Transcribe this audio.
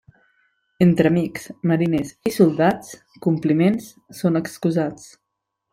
Entre amics, mariners i soldats, compliments són excusats.